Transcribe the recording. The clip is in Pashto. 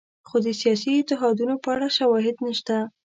خو د سیاسي اتحادونو په اړه شواهد نشته.